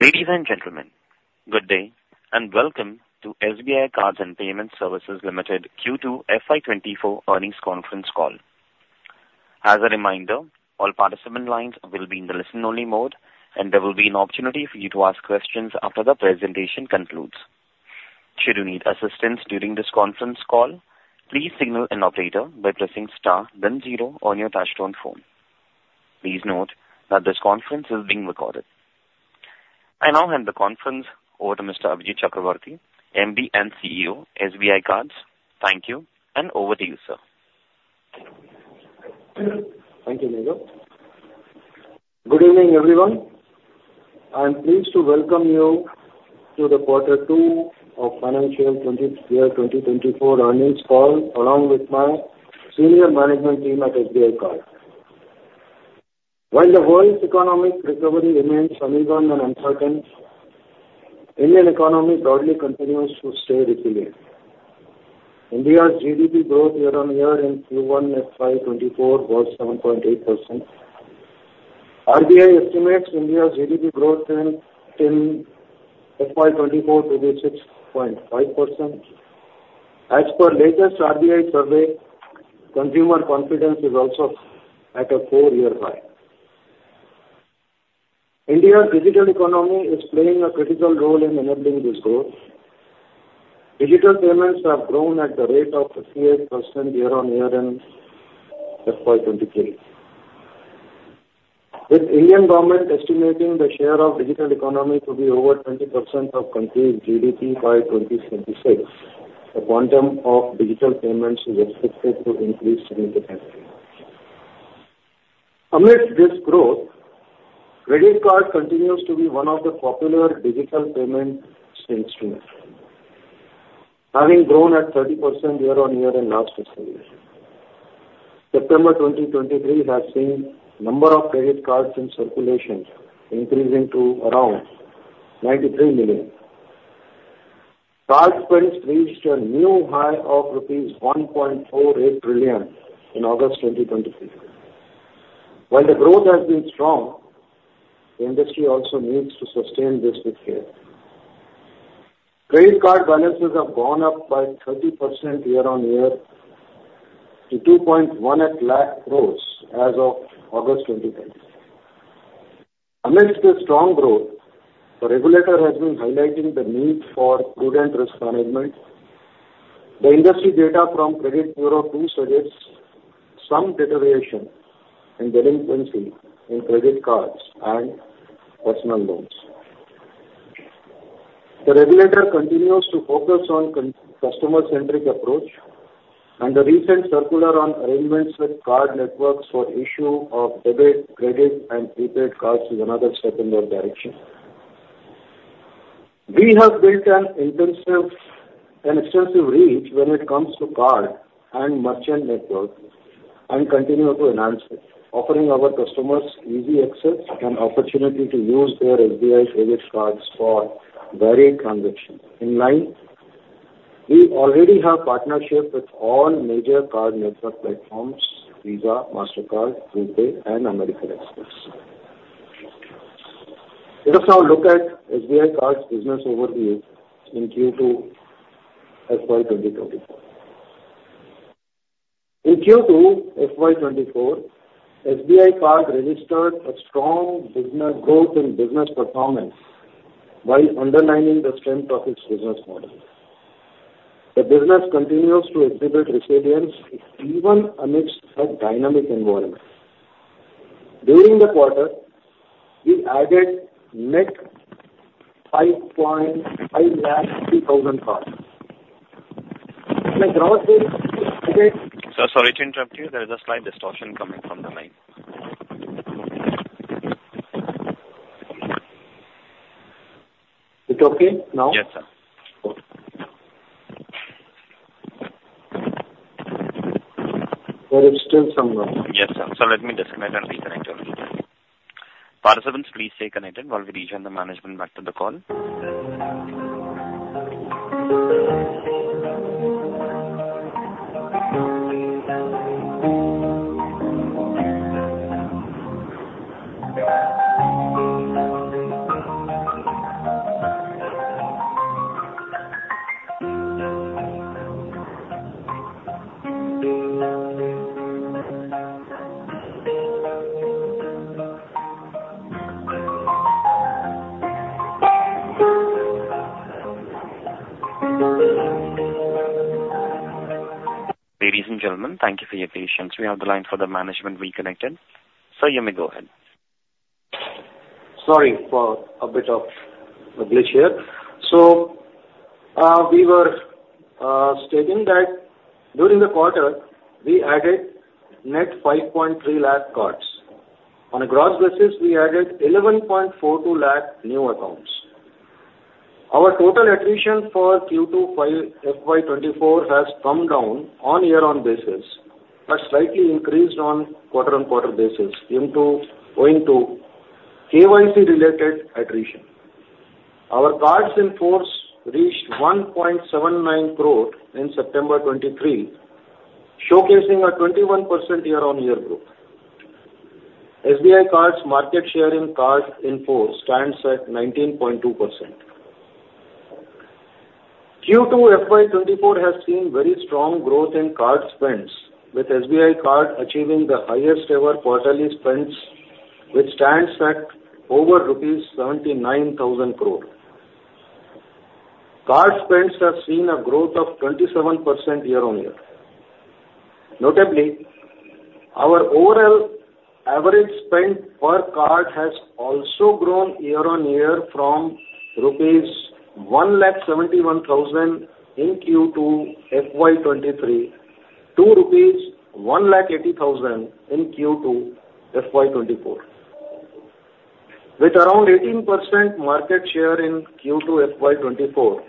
Ladies and gentlemen, good day, and welcome to SBI Cards and Payment Services Limited Q2 FY2024 earnings conference call. As a reminder, all participant lines will be in the listen-only mode, and there will be an opportunity for you to ask questions after the presentation concludes. Should you need assistance during this conference call, please signal an operator by pressing star, then zero on your touchtone phone. Please note that this conference is being recorded. I now hand the conference over to Mr. Abhijit Chakravorty, MD and CEO, SBI Cards. Thank you, and over to you, sir. Thank you, Neerav. Good evening, everyone. I'm pleased to welcome you to the quarter two of financial year 2024 earnings call, along with my senior management team at SBI Card. While the world's economic recovery remains uneven and uncertain, Indian economy broadly continues to stay resilient. India's GDP growth year-on-year in Q1 FY 2024 was 7.8%. RBI estimates India's GDP growth in FY 2024 to be 6.5%. As per latest RBI survey, consumer confidence is also at a four-year high. India's digital economy is playing a critical role in enabling this growth. Digital payments have grown at the rate of 58% year-on-year in FY 2023. With Indian government estimating the share of digital economy to be over 20% of country's GDP by 2076, the quantum of digital payments is expected to increase significantly. Amidst this growth, credit card continues to be one of the popular digital payment instruments, having grown at 30% year-on-year in last fiscal year. September 2023 has seen number of credit cards in circulation increasing to around 93 million. Card spends reached a new high of rupees 1.48 trillion in August 2023. While the growth has been strong, the industry also needs to sustain this with care. Credit card balances have gone up by 30% year-on-year to 2.1 lakh crore as of August 2023. Amidst this strong growth, the regulator has been highlighting the need for prudent risk management. The industry data from Credit Bureau TU suggests some deterioration in delinquency in credit cards and personal loans. The regulator continues to focus on customer-centric approach, and the recent circular on arrangements with card networks for issue of debit, credit, and prepaid cards is another step in that direction. We have built an intensive and extensive reach when it comes to card and merchant network and continue to enhance it, offering our customers easy access and opportunity to use their SBI credit cards for varied transactions. In line, we already have partnerships with all major card network platforms, Visa, Mastercard, RuPay, and American Express. Let us now look at SBI Card's business overview in Q2 FY 2024. In Q2 FY 2024, SBI Card registered a strong business growth in business performance while underlining the strength of its business model. The business continues to exhibit resilience even amidst a dynamic environment. During the quarter, we added net 553,000 cards. The growth rate- Sir, sorry to interrupt you. There is a slight distortion coming from the line. Is it okay now? Yes, sir. Good. But it's still some more. Yes, sir. So let me disconnect and reconnect your line. Participants, please stay connected while we rejoin the management back to the call. Ladies and gentlemen, thank you for your patience. We have the line for the management reconnected. Sir, you may go ahead. Sorry for a bit of a glitch here. So, we were stating that during the quarter, we added net 5.3 lakh cards. On a gross basis, we added 11.42 lakh new accounts. Our total attrition for Q2 FY 2024 has come down on year-on-year basis, but slightly increased on quarter-on-quarter basis, owing to KYC-related attrition. Our cards in force reached 1.79 crore in September 2023, showcasing a 21% year-on-year growth. SBI Card's market share in cards in force stands at 19.2%. Q2 FY 2024 has seen very strong growth in card spends, with SBI Card achieving the highest ever quarterly spends, which stands at over rupees 79,000 crore. Card spends have seen a growth of 27% year-on-year. Notably, our overall average spend per card has also grown year-on-year from rupees 171,000 in Q2 FY 2023 to rupees 180,000 in Q2 FY 2024. With around 18% market share in Q2 FY 2024,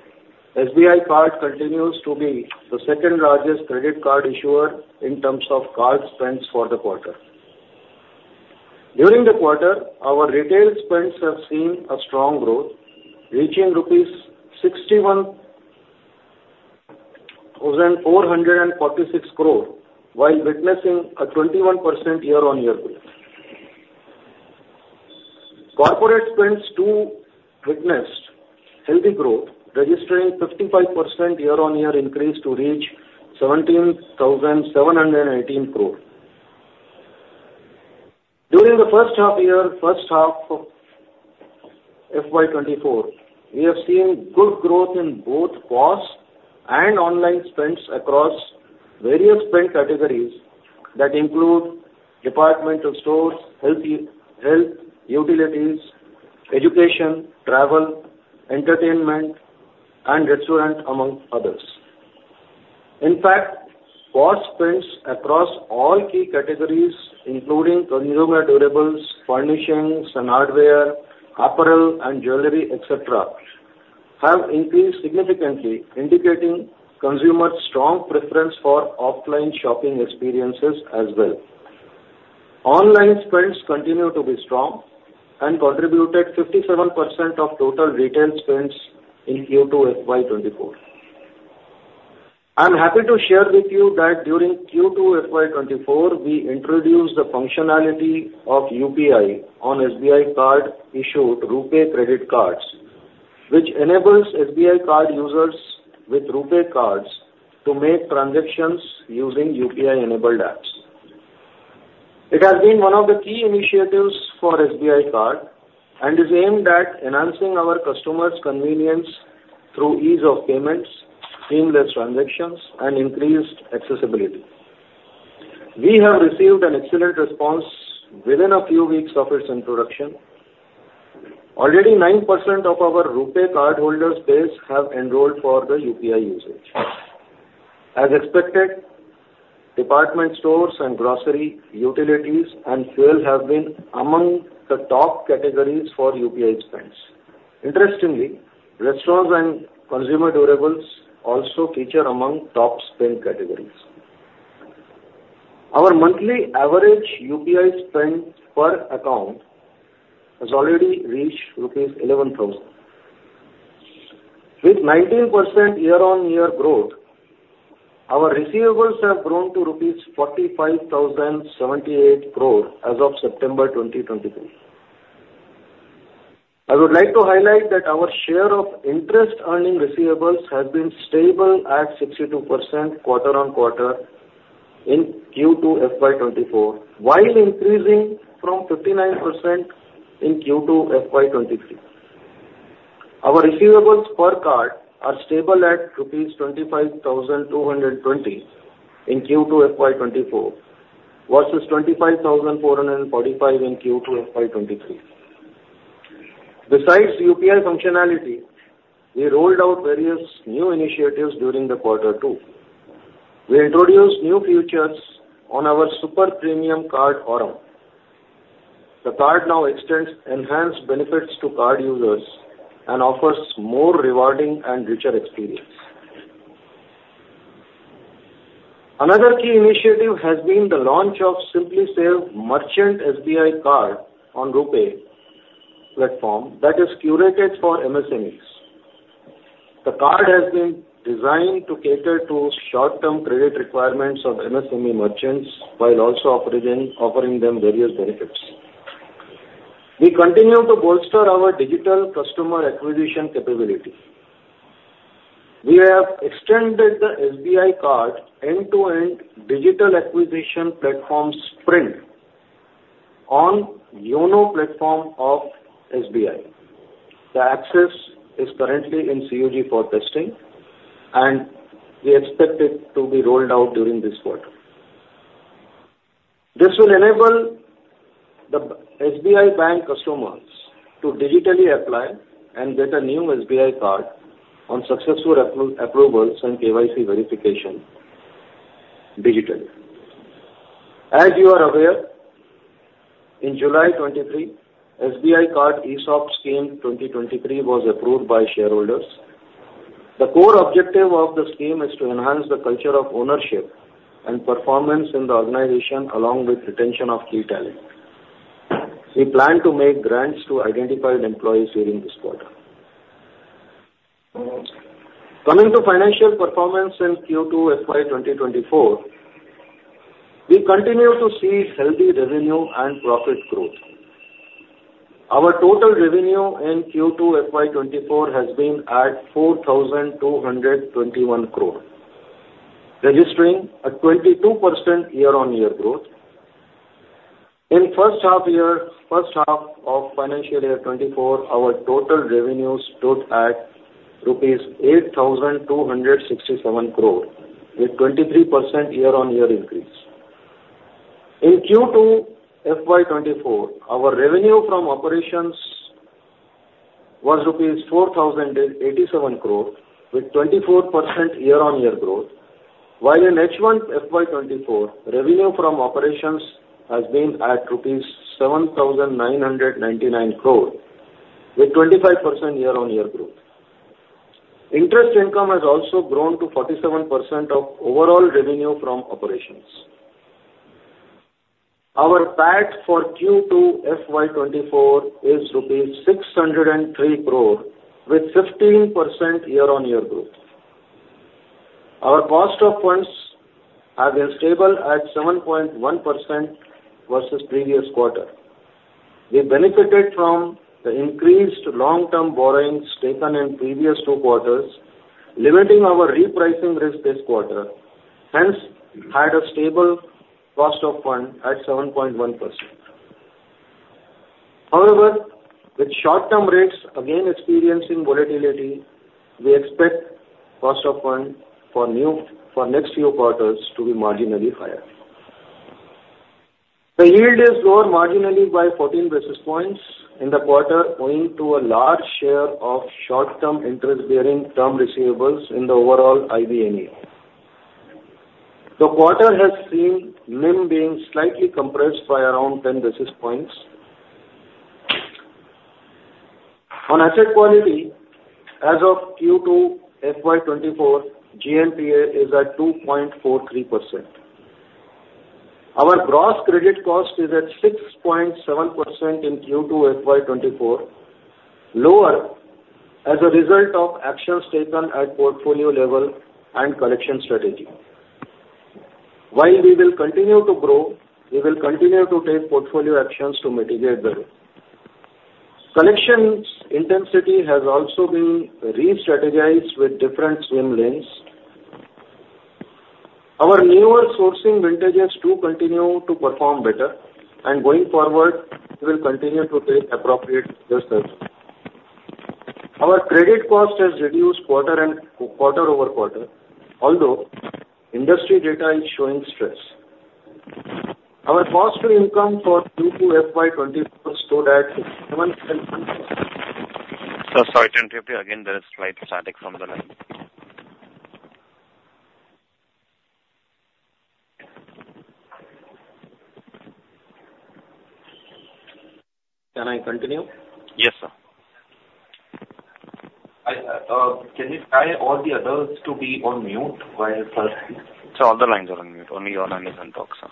SBI Card continues to be the second largest credit card issuer in terms of card spends for the quarter. During the quarter, our retail spends have seen a strong growth, reaching rupees 61,446 crore, while witnessing a 21% year-on-year growth. Corporate spends, too, witnessed healthy growth, registering 55% year-on-year increase to reach 17,718 crore. During the first half of year, first half of FY 2024, we have seen good growth in both POS and online spends across various spend categories that include departmental stores, health, utilities, education, travel, entertainment, and restaurant, among others. In fact, POS spends across all key categories, including consumer durables, furnishings and hardware, apparel and jewelry, et cetera, have increased significantly, indicating consumers' strong preference for offline shopping experiences as well. Online spends continue to be strong and contributed 57% of total retail spends in Q2 FY 2024. I'm happy to share with you that during Q2 FY 2024, we introduced the functionality of UPI on SBI Card issued RuPay credit cards, which enables SBI Card users with RuPay cards to make transactions using UPI-enabled apps. It has been one of the key initiatives for SBI Card and is aimed at enhancing our customers' convenience through ease of payments, seamless transactions, and increased accessibility. We have received an excellent response within a few weeks of its introduction. Already, 9% of our RuPay cardholder basis have enrolled for the UPI usage. As expected, department stores and grocery, utilities, and fuel have been among the top categories for UPI spends. Interestingly, restaurants and consumer durables also feature among top spend categories. Our monthly average UPI spend per account has already reached rupees 11,000. With 19% year-on-year growth, our receivables have grown to rupees 45,078 crore as of September 2023. I would like to highlight that our share of interest earning receivables has been stable at 62% quarter-on-quarter in Q2 FY 2024, while increasing from 59% in Q2 FY 2023. Our receivables per card are stable at INR 25,220 in Q2 FY 2024, versus 25,445 in Q2 FY 2023. Besides UPI functionality, we rolled out various new initiatives during the quarter, too. We introduced new features on our super premium card, Aurum. The card now extends enhanced benefits to card users and offers more rewarding and richer experience. Another key initiative has been the launch of SimplySAVE Merchant SBI Card on RuPay platform that is curated for MSMEs. The card has been designed to cater to short-term credit requirements of MSME merchants, while also offering them various benefits. We continue to bolster our digital customer acquisition capability. We have extended the SBI Card end-to-end digital acquisition platform Sprint on YONO platform of SBI. The access is currently in CUG for testing, and we expect it to be rolled out during this quarter. This will enable the SBI bank customers to digitally apply and get a new SBI card on successful approvals and KYC verification digitally. As you are aware, in July 2023, SBI Card ESOP Scheme 2023 was approved by shareholders. The core objective of the scheme is to enhance the culture of ownership and performance in the organization, along with retention of key talent. We plan to make grants to identified employees during this quarter. Coming to financial performance in Q2 FY 2024, we continue to see healthy revenue and profit growth. Our total revenue in Q2 FY 2024 has been at 4,221 crore, registering a 22% year-on-year growth. In first half year, first half of financial year 2024, our total revenue stood at rupees 8,267 crore, with 23% year-on-year increase. In Q2 FY 2024, our revenue from operations was rupees 4,087 crore, with 24% year-on-year growth, while in H1 FY 2024, revenue from operations has been at rupees 7,999 crore, with 25% year-on-year growth. Interest income has also grown to 47% of overall revenue from operations. Our PAT for Q2 FY 2024 is INR 603 crore, with 15% year-on-year growth. Our cost of funds have been stable at 7.1% versus previous quarter. We benefited from the increased long-term borrowings taken in previous two quarters, limiting our repricing risk this quarter, hence, had a stable cost of fund at 7.1%. However, with short-term rates again experiencing volatility, we expect cost of fund for new, for next few quarters to be marginally higher. The yield has grown marginally by 14 basis points in the quarter, owing to a large share of short-term interest bearing term receivables in the overall IBA. The quarter has seen NIM being slightly compressed by around 10 basis points. On asset quality, as of Q2 FY 2024, GNPA is at 2.43%. Our gross credit cost is at 6.7% in Q2 FY 2024, lower as a result of actions taken at portfolio level and collection strategy. While we will continue to grow, we will continue to take portfolio actions to mitigate the risk. Collections intensity has also been re-strategized with different swim lanes. Our newer sourcing vintages do continue to perform better, and going forward, we will continue to take appropriate measures. Our credit cost has reduced quarter-over-quarter, although industry data is showing stress. Our cost to income for Q2 FY 2024 stood at seven- Sir, sorry to interrupt you. Again, there is slight static from the line. Can I continue? Yes, sir. Can you try all the others to be on mute while - Sir, all the lines are on mute. Only your line is on talk, sir.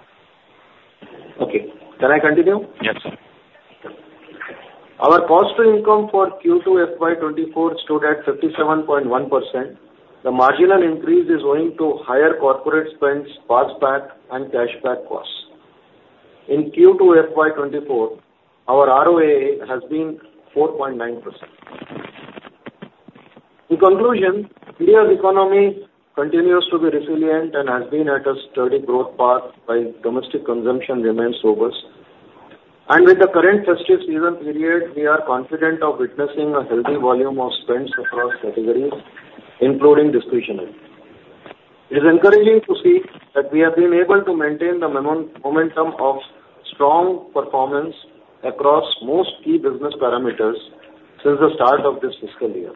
Okay. Can I continue? Yes, sir. Our cost to income for Q2 FY 2024 stood at 57.1%. The marginal increase is owing to higher corporate spends, passback, and cashback costs. In Q2 FY 2024, our ROA has been 4.9%. In conclusion, India's economy continues to be resilient and has been at a steady growth path while domestic consumption remains robust. And with the current festive season period, we are confident of witnessing a healthy volume of spends across categories, including discretionary. It is encouraging to see that we have been able to maintain the momentum of strong performance across most key business parameters since the start of this fiscal year.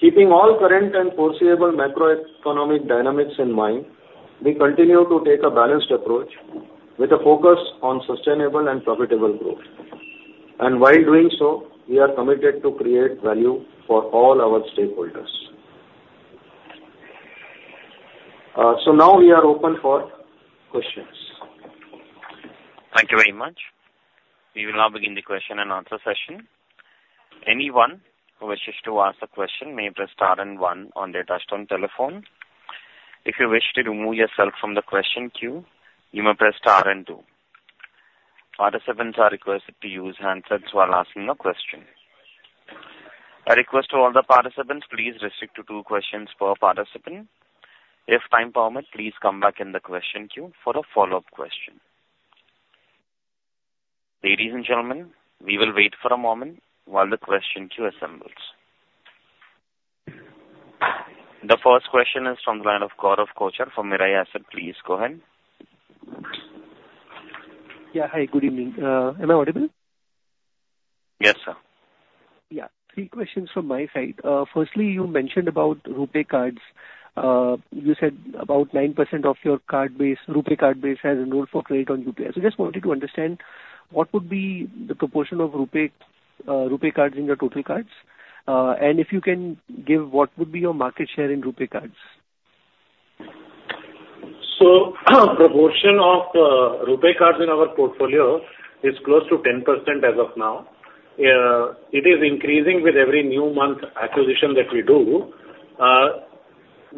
Keeping all current and foreseeable macroeconomic dynamics in mind, we continue to take a balanced approach with a focus on sustainable and profitable growth. While doing so, we are committed to create value for all our stakeholders. Now we are open for questions. Thank you very much. We will now begin the question and answer session. Anyone who wishes to ask a question may press star and one on their touchtone telephone. If you wish to remove yourself from the question queue, you may press star and two. Participants are requested to use handsets while asking a question. I request to all the participants, please restrict to two questions per participant. If time permits, please come back in the question queue for a follow-up question. Ladies and gentlemen, we will wait for a moment while the question queue assembles. The first question is from the line of Gaurav Kochar from Mirae Asset. Please go ahead. Yeah. Hi, good evening. Am I audible? Yes, sir. Yeah, three questions from my side. Firstly, you mentioned about RuPay cards. You said about 9% of your card base, RuPay card base, has enrolled for credit on UPI. I just wanted to understand, what would be the proportion of RuPay, RuPay cards in your total cards? And if you can give what would be your market share in RuPay cards? So the portion of RuPay cards in our portfolio is close to 10% as of now. It is increasing with every new month acquisition that we do.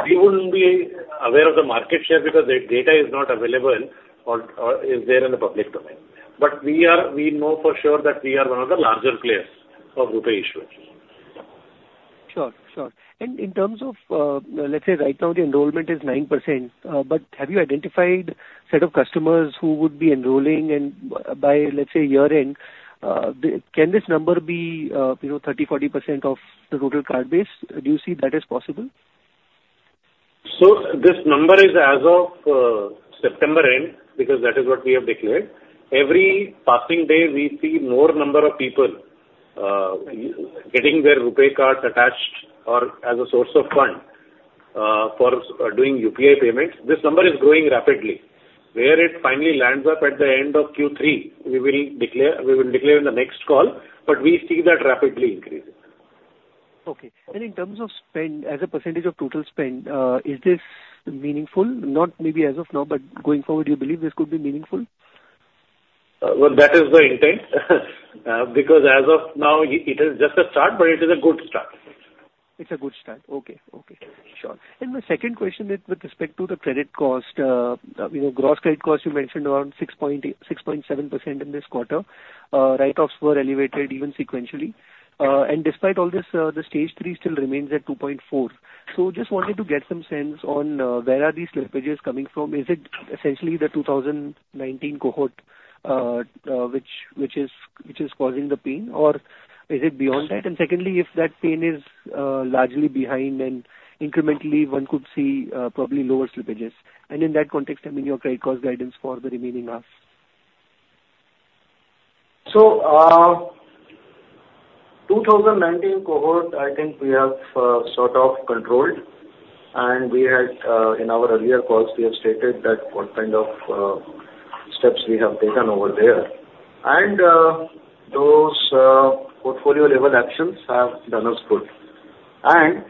We wouldn't be aware of the market share because the data is not available or, or is there in the public domain. But we are- we know for sure that we are one of the larger players of RuPay issuers. Sure, sure. And in terms of, let's say right now, the enrollment is 9%, but have you identified set of customers who would be enrolling? And by, let's say, year-end, can this number be, you know, 30-40% of the total card base? Do you see that as possible? So this number is as of, September end, because that is what we have declared. Every passing day, we see more number of people, getting their RuPay cards attached or as a source of fund, for doing UPI payments. This number is growing rapidly. Where it finally lands up at the end of Q3, we will declare, we will declare in the next call, but we see that rapidly increasing. Okay. And in terms of spend, as a percentage of total spend, is this meaningful? Not maybe as of now, but going forward, do you believe this could be meaningful? Well, that is the intent. Because as of now, it is just a start, but it is a good start. It's a good start. Okay. Okay, sure. And my second question is with respect to the credit cost. You know, gross credit cost, you mentioned around 6.7% in this quarter. Write-offs were elevated even sequentially. And despite all this, the stage three still remains at 2.4. So just wanted to get some sense on where are these slippages coming from? Is it essentially the 2019 cohort, which is causing the pain, or is it beyond that? And secondly, if that pain is largely behind and incrementally, one could see probably lower slippages. And in that context, I mean, your credit cost guidance for the remaining half. So, 2019 cohort, I think we have sort of controlled, and we had in our earlier calls, we have stated that what kind of steps we have taken over there. And, those portfolio-level actions have done us good. And,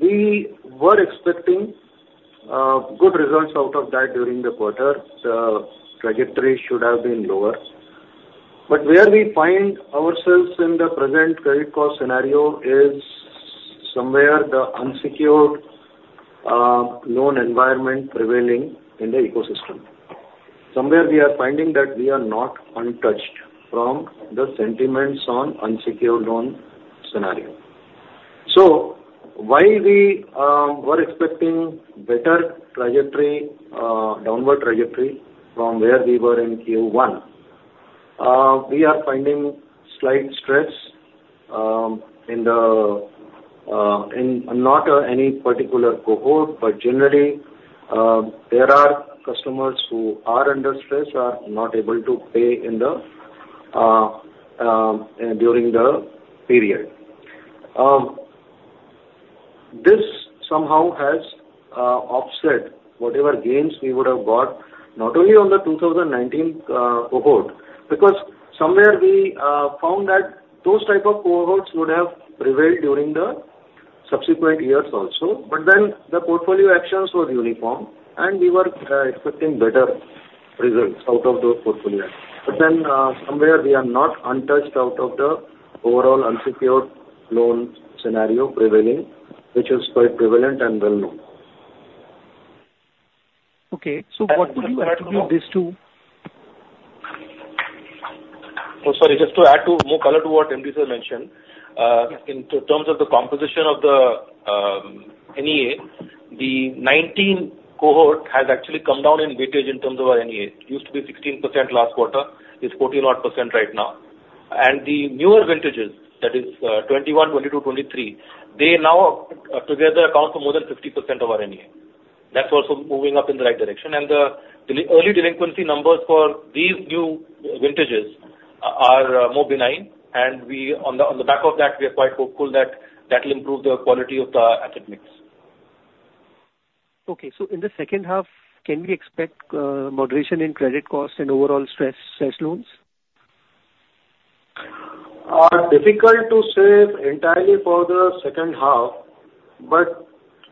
we were expecting good results out of that during the quarter. The trajectory should have been lower. But where we find ourselves in the present credit cost scenario is somewhere the unsecured loan environment prevailing in the ecosystem. Somewhere we are finding that we are not untouched from the sentiments on unsecured loan scenario. While we were expecting better trajectory, downward trajectory from where we were in Q1, we are finding slight stress in not any particular cohort, but generally, there are customers who are under stress, are not able to pay in the, during the period. This somehow has offset whatever gains we would have got, not only on the 2019 cohort, because somewhere we found that those type of cohorts would have prevailed during the subsequent years also. The portfolio actions were uniform, and we were expecting better results out of those portfolios. Somewhere we are not untouched out of the overall unsecured loan scenario prevailing, which is quite prevalent and well-known. Okay. So what would you attribute this to? Oh, sorry, just to add to more color to what MD sir mentioned. In terms of the composition of the NPA, the 2019 cohort has actually come down in weightage in terms of our NPA. It used to be 16% last quarter, it's 14 odd% right now. And the newer vintages, that is, 2021, 2022, 2023, they now together account for more than 50% of our NPA. That's also moving up in the right direction, and the early delinquency numbers for these new vintages are more benign, and we on the, on the back of that, we are quite hopeful that that will improve the quality of the asset mix. Okay. So in the second half, can we expect moderation in credit cost and overall stress loans? Difficult to say entirely for the second half, but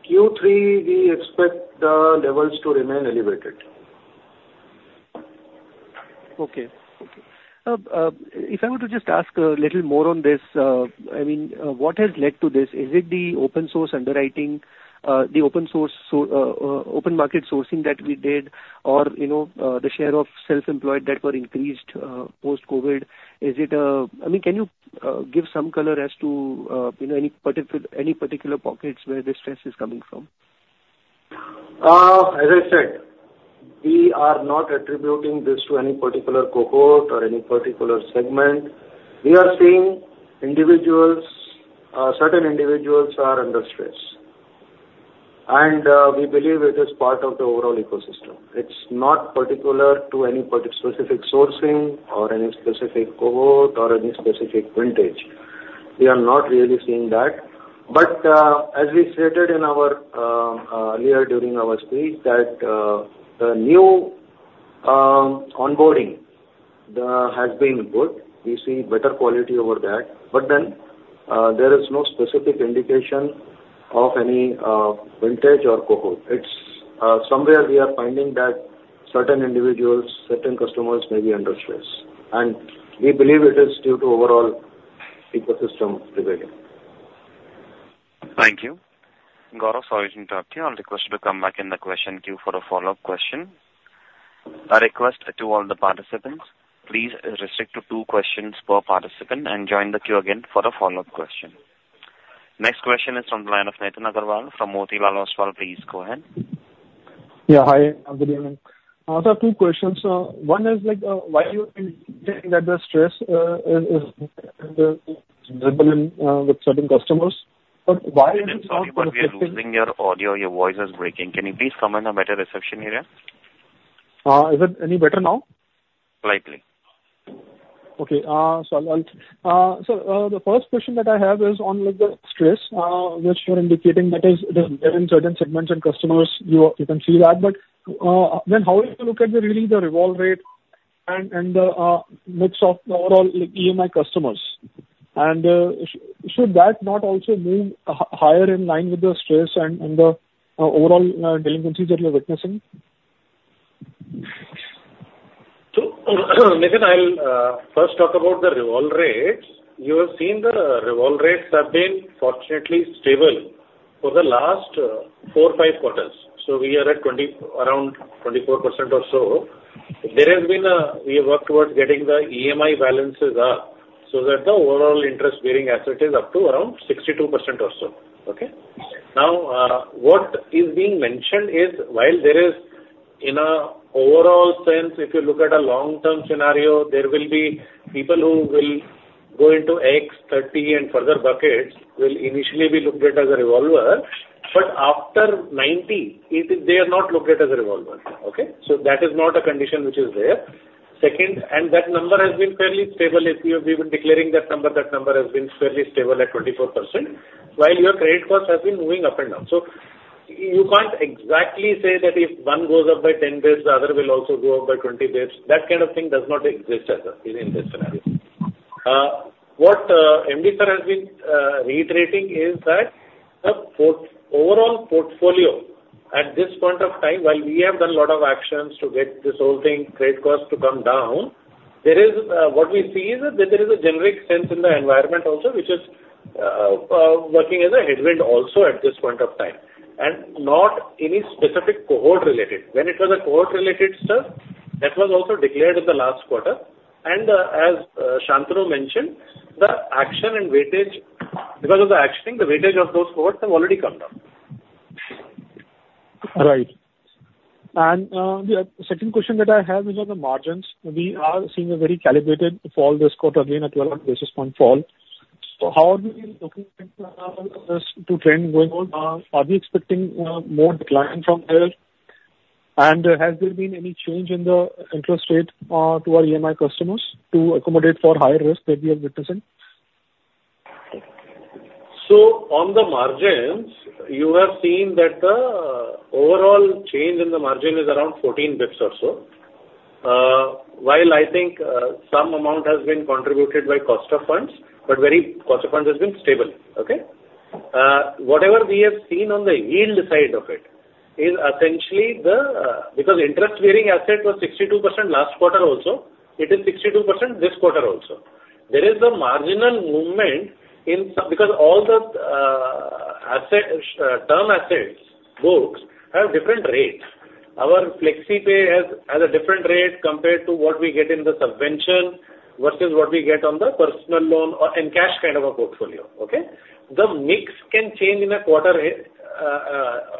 Q3, we expect the levels to remain elevated. Okay. Okay. If I were to just ask a little more on this, I mean, what has led to this? Is it the open source underwriting, the open source, so, open market sourcing that we did, or, you know, the share of self-employed that were increased, post-COVID? Is it... I mean, can you give some color as to, you know, any particular pockets where this stress is coming from? As I said, we are not attributing this to any particular cohort or any particular segment. We are seeing individuals, certain individuals are under stress. And we believe it is part of the overall ecosystem. It's not particular to any specific sourcing or any specific cohort or any specific vintage. We are not really seeing that. But as we stated in our earlier during our speech, that the new-... Onboarding, there has been good. We see better quality over that, but then there is no specific indication of any vintage or cohort. It's somewhere we are finding that certain individuals, certain customers may be under stress, and we believe it is due to overall ecosystem behavior. Thank you. Gaurav, sorry to interrupt you. I'll request you to come back in the question queue for a follow-up question. A request to all the participants, please restrict to two questions per participant and join the queue again for a follow-up question. Next question is from the line of Nitin Aggarwal from Motilal Oswal. Please go ahead. Yeah, hi, good evening. I have two questions. One is like, why you are saying that the stress is with certain customers, but why is it- Nitin, sorry, but we are losing your audio. Your voice is breaking. Can you please come in a better reception area? Is it any better now? Slightly. Okay. So I'll, so, the first question that I have is on, like, the stress, which you're indicating that is, is there in certain segments and customers, you, you can see that. But, then how would you look at the, really, the revolver rate and, and the, mix of overall, like, EMI customers? And, should that not also move higher in line with the stress and, and the, overall, delinquencies that you're witnessing? Nitin, I'll first talk about the revolve rates. You have seen the revolve rates have been fortunately stable for the last four, five quarters, so we are at 20, around 24% or so. There has been a, we have worked towards getting the EMI balances up, so that the overall interest-bearing asset is up to around 62% or so. Okay? Now, what is being mentioned is, while there is in a overall sense, if you look at a long-term scenario, there will be people who will go into X, 30, and further buckets, will initially be looked at as a revolver, but after 90, it is they are not looked at as a revolver, okay? That is not a condition which is there. Second, and that number has been fairly stable. If we have been declaring that number, that number has been fairly stable at 24%, while your credit costs have been moving up and down. So you can't exactly say that if one goes up by 10 base, the other will also go up by 20 base. That kind of thing does not exist as a, in this scenario. What MD sir has been reiterating is that, the overall portfolio at this point of time, while we have done a lot of actions to get this whole thing, credit costs, to come down, there is, what we see is that there is a generic sense in the environment also, which is, working as a headwind also at this point of time, and not any specific cohort-related. When it was a cohort-related stuff, that was also declared in the last quarter. As Shantanu mentioned, the action and weightage, because of the actioning, the weightage of those cohorts have already come down. Right. And, the second question that I have is on the margins. We are seeing a very calibrated fall this quarter, again, a 12 basis point fall. So how are we looking at this to trend going on? Are we expecting more decline from there? And has there been any change in the interest rate to our EMI customers to accommodate for higher risk that we are witnessing? On the margins, you have seen that the overall change in the margin is around 14 basis points or so. While I think some amount has been contributed by cost of funds, cost of funds has been stable, okay? Whatever we have seen on the yield side of it is essentially because interest-bearing asset was 62% last quarter also, it is 62% this quarter also. There is the marginal movement in some because all the asset, term assets, books, have different rates. Our Flexipay has a different rate compared to what we get in the subvention, versus what we get on the personal loan or Encash kind of a portfolio, okay? The mix can change in a quarter,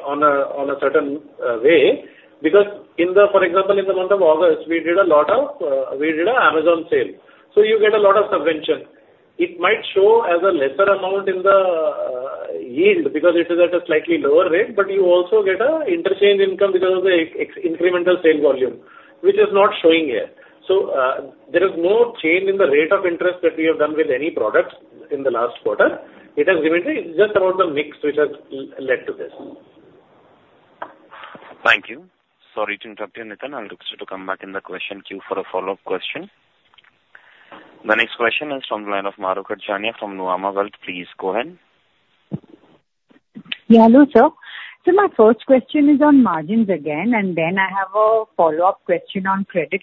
on a certain way, because in the... For example, in the month of August, we did a lot of, we did an Amazon sale, so you get a lot of subvention. It might show as a lesser amount in the, yield, because it is at a slightly lower rate, but you also get interchange income because of the incremental sale volume, which is not showing here. So, there is no change in the rate of interest that we have done with any products in the last quarter. It has been just around the mix which has led to this. Thank you. Sorry to interrupt you, Nitin. I'll request you to come back in the question queue for a follow-up question. The next question is from the line of Mahrukh Adajania from Nuvama Wealth. Please go ahead. Yeah, hello, sir. So my first question is on margins again, and then I have a follow-up question on credit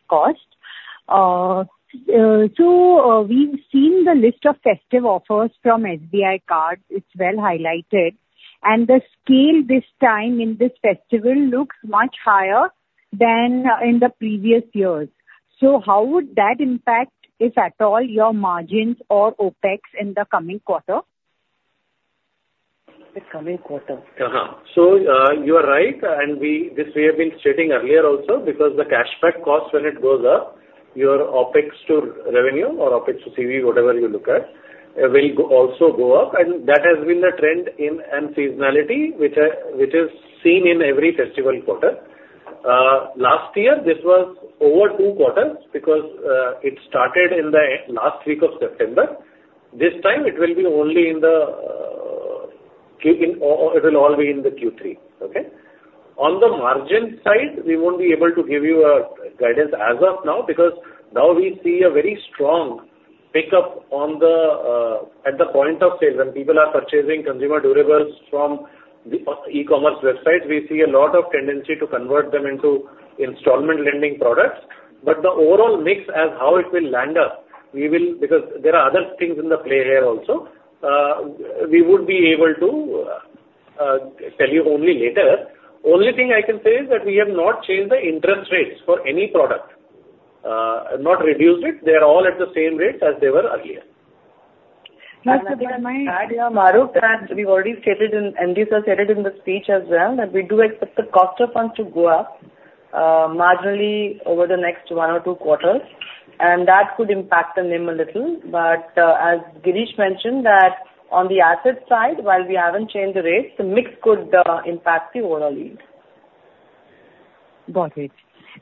cost. We've seen the list of festive offers from SBI Cards. It's well highlighted, and the scale this time in this festival looks much higher than in the previous years. So how would that impact, if at all, your margins or OpEx in the coming quarter? The coming quarter. So, you are right, and we, this we have been stating earlier also, because the cashback cost, when it goes up, your OpEx to revenue or OpEx to CV, whatever you look at, will also go up, and that has been the trend and seasonality, which is seen in every festival quarter. Last year, this was over two quarters because it started in the last week of September. This time it will be only in the Q2, or it will all be in the Q3, okay? On the margin side, we won't be able to give you a guidance as of now, because now we see a very strong pickup at the point of sale. When people are purchasing consumer durables from the e-commerce website, we see a lot of tendency to convert them into installment lending products. But the overall mix as how it will land us, we will-- because there are other things in the play here also, we would be able to, tell you only later. Only thing I can say is that we have not changed the interest rates for any product, not reduced it. They are all at the same rates as they were earlier. And may I add, yeah, Mahrukh, that we've already stated in, and you, sir, said it in the speech as well, that we do expect the cost of funds to go up, marginally over the next one or two quarters, and that could impact the NIM a little. As Girish mentioned that on the asset side, while we haven't changed the rates, the mix could impact the overall yield. Got it.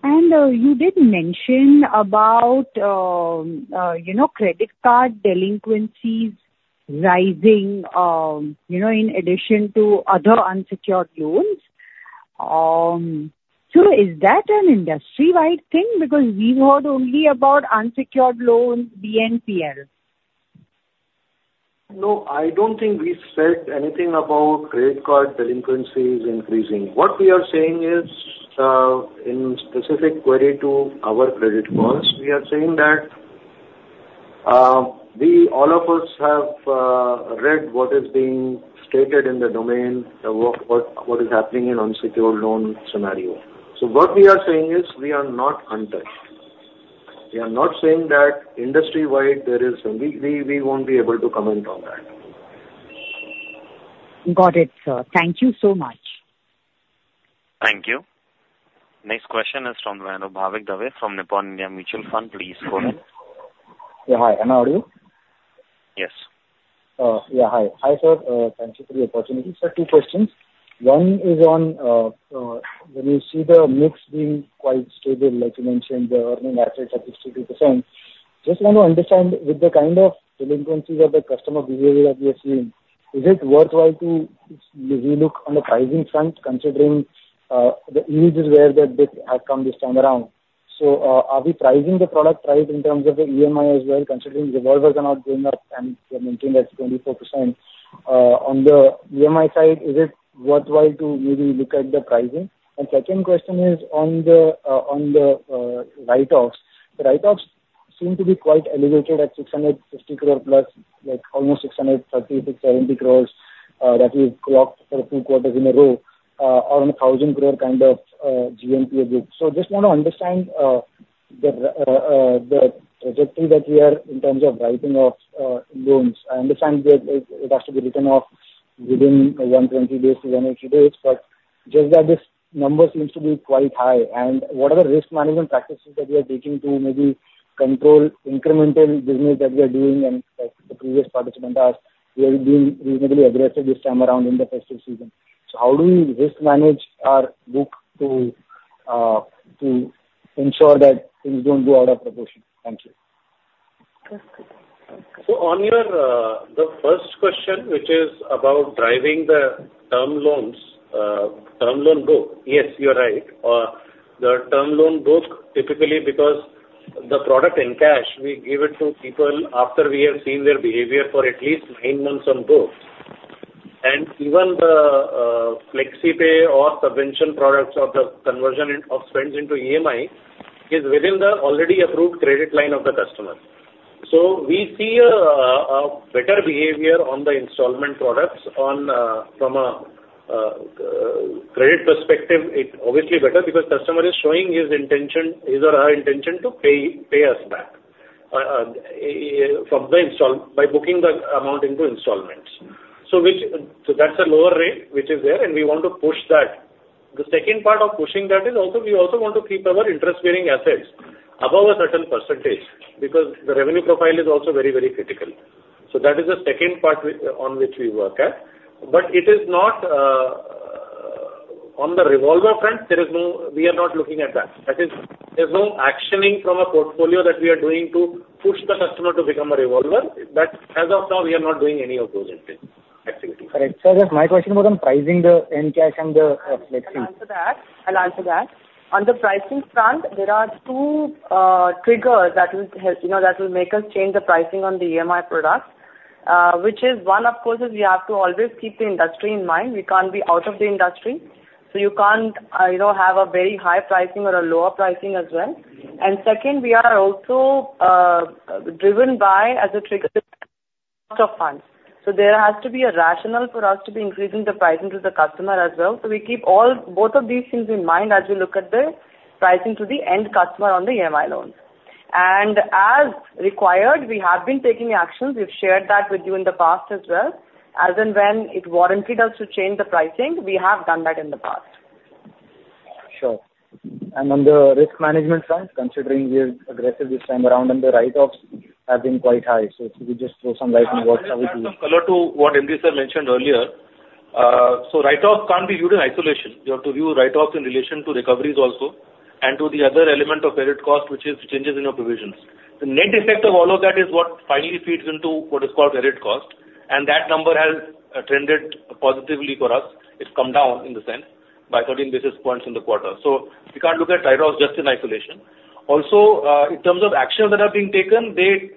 And, you did mention about, you know, credit card delinquencies rising, you know, in addition to other unsecured loans. So is that an industry-wide thing? Because we heard only about unsecured loans, BNPL. No, I don't think we said anything about credit card delinquencies increasing. What we are saying is, in specific query to our credit cards, we are saying that, we, all of us have, read what is being stated in the domain, what is happening in unsecured loan scenario. So what we are saying is we are not untouched. We are not saying that industry-wide there is... We won't be able to comment on that. Got it, sir. Thank you so much. Thank you. Next question is from Bhavik Dave, from Nippon India Mutual Fund. Please go ahead. Yeah, hi. Am I audible? Yes. Yeah, hi. Hi, sir, thank you for the opportunity. Sir, two questions. One is on, when you see the mix being quite stable, like you mentioned, the earning assets are 62%. Just want to understand, with the kind of delinquencies or the customer behavior that we are seeing, is it worthwhile to re-look on the pricing front, considering the EMIs where that they have come this time around? So, are we pricing the product price in terms of the EMI as well, considering revolvers are not going up and we are maintaining at 24%? On the EMI side, is it worthwhile to maybe look at the pricing? And second question is on the write-offs. The write-offs seem to be quite elevated at 650 crore plus, like almost 630-670 crores, that we've clocked for two quarters in a row, on a 1,000 crore kind of GNPA group. So just want to understand the trajectory that we are in terms of writing off loans. I understand that it has to be written off within 120 days to 180 days, but just that this number seems to be quite high. And what are the risk management practices that we are taking to maybe control incremental business that we are doing? And like the previous participant asked, we are being reasonably aggressive this time around in the festive season. So how do we risk manage our book to ensure that things don't go out of proportion? Thank you. So on your, the first question, which is about driving the term loans, term loan book. Yes, you are right. The term loan book, typically because the product Encash, we give it to people after we have seen their behavior for at least nine months on book. And even the, Flexipay or subvention products or the conversion of spends into EMI, is within the already approved credit line of the customer. So we see a, better behavior on the installment products on, from a, credit perspective, it obviously better because customer is showing his intention, his or her intention to pay, pay us back, from the installment, by booking the amount into installments. So that's a lower rate, which is there, and we want to push that. The second part of pushing that is also, we also want to keep our interest bearing assets above a certain percentage, because the revenue profile is also very, very critical. So that is the second part we, on which we work at. But it is not, on the revolver front, there is no we are not looking at that. That is, there's no actioning from a portfolio that we are doing to push the customer to become a revolver. That as of now, we are not doing any of those things, activities. Correct. So just my question was on pricing the Encash and the Flexi. I'll answer that. I'll answer that. On the pricing front, there are two triggers that will help, you know, that will make us change the pricing on the EMI products. Which is one, of course, is we have to always keep the industry in mind. We can't be out of the industry, so you can't, you know, have a very high pricing or a lower pricing as well. And second, we are also driven by, as a trigger, cost of funds. So there has to be a rationale for us to be increasing the pricing to the customer as well. So we keep all, both of these things in mind as we look at the pricing to the end customer on the EMI loans. And as required, we have been taking actions. We've shared that with you in the past as well. As and when it warranted us to change the pricing, we have done that in the past. Sure. On the risk management front, considering we are aggressive this time around and the write-offs have been quite high. If you could just throw some light on what have you done? Add some color to what MD, sir, mentioned earlier. So write-offs can't be viewed in isolation. You have to view write-offs in relation to recoveries also, and to the other element of credit cost, which is changes in your provisions. The net effect of all of that is what finally feeds into what is called credit cost, and that number has trended positively for us. It's come down in the sense by 13 basis points in the quarter. So you can't look at write-offs just in isolation. Also, in terms of actions that are being taken, they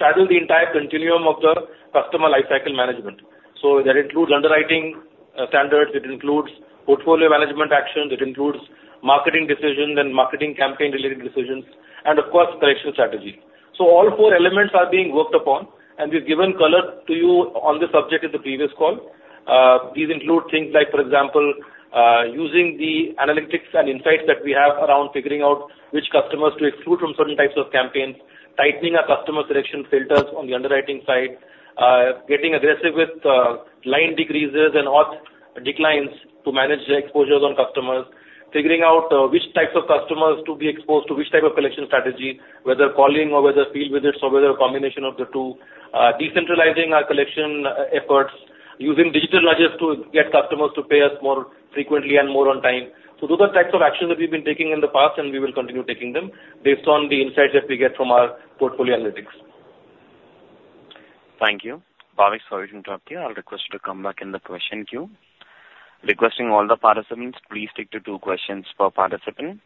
travel the entire continuum of the customer lifecycle management. So that includes underwriting standards, it includes portfolio management actions, it includes marketing decisions and marketing campaign-related decisions, and of course, collection strategy. So all four elements are being worked upon, and we've given color to you on this subject in the previous call. These include things like, for example, using the analytics and insights that we have around figuring out which customers to exclude from certain types of campaigns, tightening our customer selection filters on the underwriting side, getting aggressive with line decreases and declines to manage the exposures on customers. Figuring out which types of customers to be exposed to which type of collection strategy, whether calling or whether field visits or whether a combination of the two. Decentralizing our collection efforts, using digital ledgers to get customers to pay us more frequently and more on time. Those are types of actions that we've been taking in the past, and we will continue taking them based on the insights that we get from our portfolio analytics. Thank you. Bhavik Dave, I'll request you to come back in the question queue. Requesting all the participants, please stick to two questions per participant.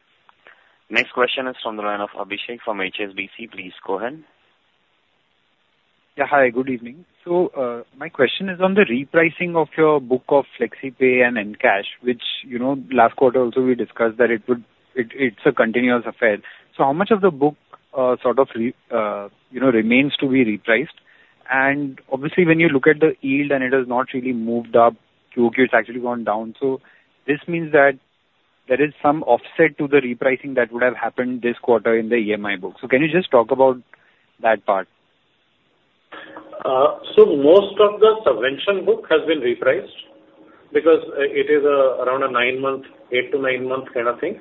Next question is from the line of Abhishek from HSBC. Please go ahead. Yeah, hi, good evening. So, my question is on the repricing of your book of Flexipay and Encash, which, you know, last quarter also we discussed that it would, it's a continuous affair. So how much of the book, sort of, you know, remains to be repriced? And obviously, when you look at the yield and it has not really moved up, Q2, it's actually gone down. So this means that there is some offset to the repricing that would have happened this quarter in the EMI book. So can you just talk about that part? So most of the subvention book has been repriced because it is around a 9-month, 8-9-month kind of thing.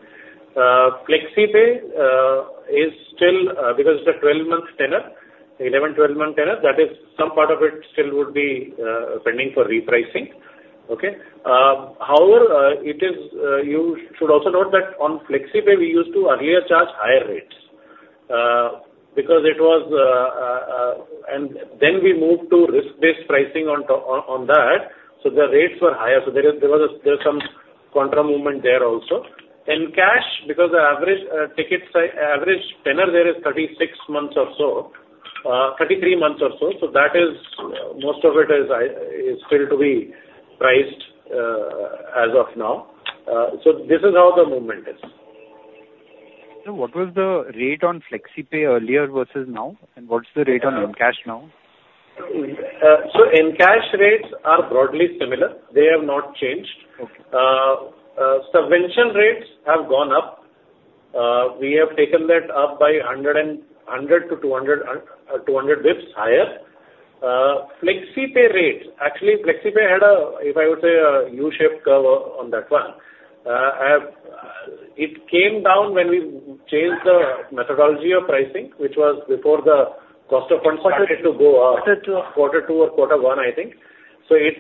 Flexipay is still because it's a 12-month tenor, 11-12-month tenor, that is, some part of it still would be pending for repricing. Okay? However, it is... you should also note that on Flexipay, we used to earlier charge higher rates because it was... and then we moved to risk-based pricing on to- on, on that. So the rates were higher, so there is, there was a, there was some contra movement there also. Encash, because the average ticket si- average tenor there is 36 months or so, 33 months or so, so that is, most of it is i- is still to be priced as of now. This is how the movement is. So what was the rate on Flexipay earlier versus now? And what's the rate on Encash now? So, Encash rates are broadly similar. They have not changed. Okay. Subvention rates have gone up. We have taken that up by 100 to 200 bips higher. Flexipay rates, actually, Flexipay had a, if I would say, a U-shaped curve on that one. I have... It came down when we changed the methodology of pricing, which was before the cost of funds- Quarter. started to go up. Quarter two. Quarter two or quarter one, I think. So it,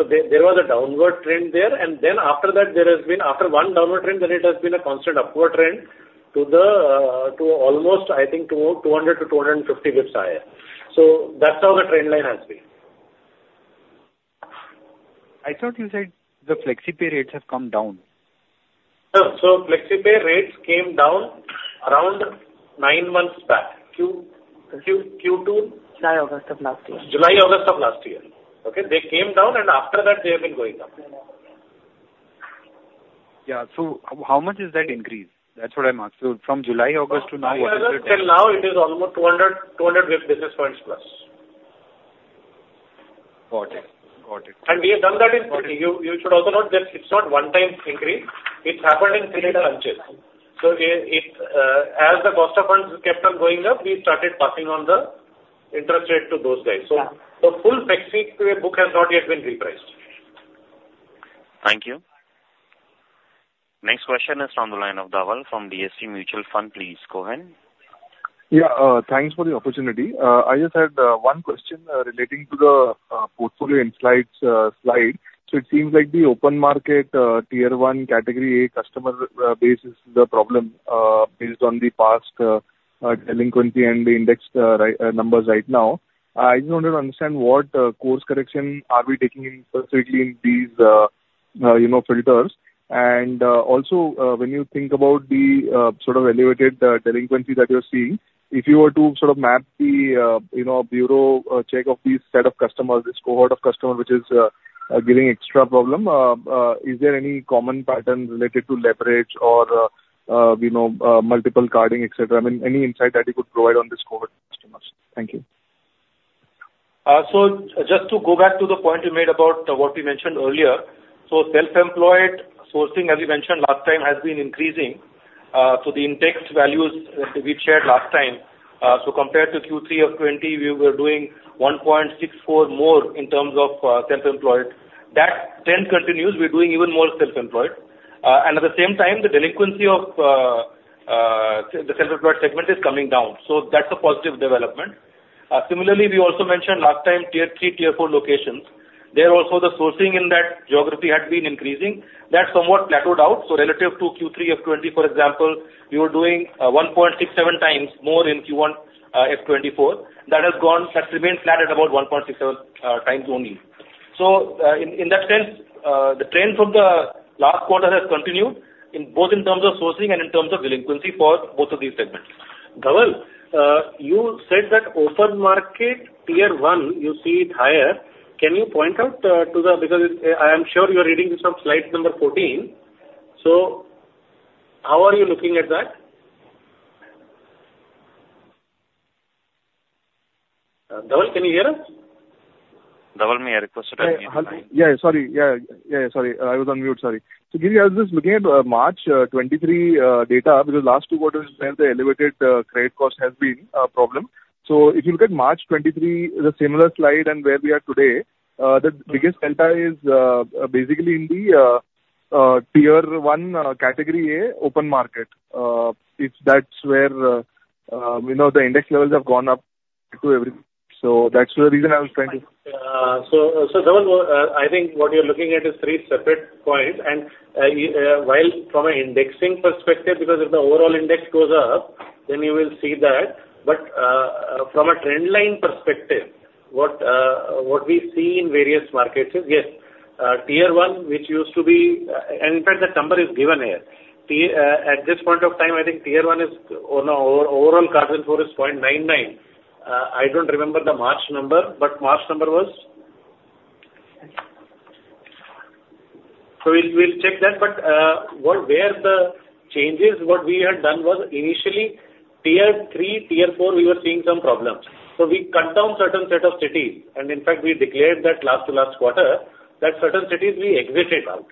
so there, there was a downward trend there, and then after that there has been, after one downward trend, then it has been a constant upward trend to the, to almost, I think, 200 to 250 basis higher. So that's how the trend line has been. I thought you said the Flexipay rates have come down. No. So Flexipay rates came down around nine months back. Q, Q2? July, August of last year. July, August of last year. Okay. They came down, and after that, they have been going up. Yeah. So how much is that increase? That's what I'm asking. So from July, August to now, what is the- July, August till now, it is almost 200, 200 basis points plus. Got it. Got it. We have done that in... You should also note that it's not one time increase. It happened in three tranches. So it, as the cost of funds kept on going up, we started passing on the interest rate to those guys. Yeah. Full Flexipay book has not yet been repriced. Thank you. Next question is on the line of Dhaval from DSP Mutual Fund. Please go ahead. Yeah, thanks for the opportunity. I just had one question relating to the portfolio insights slide. So it seems like the open market tier one category A customer base is the problem based on the past delinquency and the indexed numbers right now. I just wanted to understand what course correction are we taking in specifically in these you know filters. And also when you think about the sort of elevated delinquency that you're seeing, if you were to sort of map the you know bureau check of these set of customers, this cohort of customers, which is giving extra problem, is there any common pattern related to leverage or you know multiple carding, et cetera? I mean, any insight that you could provide on this cohort customers? Thank you. So just to go back to the point you made about what we mentioned earlier. So self-employed sourcing, as we mentioned last time, has been increasing, so the indexed values we shared last time, so compared to Q3 of 2020, we were doing 1.64 more in terms of self-employed. That trend continues. We're doing even more self-employed. And at the same time, the delinquency of segment is coming down, so that's a positive development. Similarly, we also mentioned last time, tier three, tier four locations. There also, the sourcing in that geography had been increasing. That's somewhat plateaued out, so relative to Q3 of 2020, for example, we were doing 1.67 times more in Q1 FY24. That has remained flat at about 1.67 times only. So, in that sense, the trend from the last quarter has continued, in both in terms of sourcing and in terms of delinquency for both of these segments. Dhaval, you said that open market tier one, you see it higher. Can you point out to the... Because it's, I am sure you are reading this from Slide 14, so how are you looking at that? Dhaval, can you hear us? Dhaval, may I request you to unmute your line. Yeah, sorry. Yeah, yeah, sorry. I was on mute. Sorry. So Giri, I was just looking at March 2023 data, because last two quarters, the elevated credit cost has been a problem. So if you look at March 2023, the similar slide and where we are today, the biggest delta is basically in the tier one category A, open market. It's, that's where, you know, the index levels have gone up to every... So that's the reason I was trying to- So, Dhaval, I think what you're looking at is three separate points. And while from an indexing perspective, because if the overall index goes up, then you will see that. But from a trend line perspective, what we see in various markets is, yes, tier one, which used to be. And in fact, the number is given here. Tier at this point of time, I think tier one is, or no, overall CIF is 0.99. I don't remember the March number, but March number was? So we'll check that. But what we had done was initially, tier three, tier four, we were seeing some problems, so we cut down certain set of cities. And in fact, we declared that last to last quarter, that certain cities we exited out.